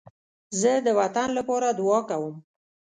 زه د وطن لپاره دعا کوم